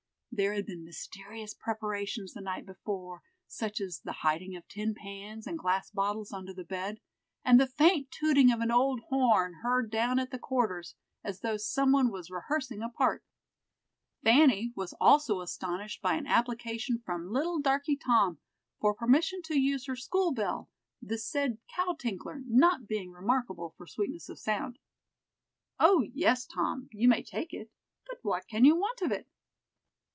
There had been mysterious preparations the night before, such as the hiding of tin pans and glass bottles under the bed, and the faint tooting of an old horn, heard down at the quarters, as though some one was rehearsing a part. Fanny was also astonished by an application from little "darky Tom" for permission to use her school bell, the said cow tinkler not being remarkable for sweetness of sound. "O, yes, Tom, you may take it; but what can you want of it?"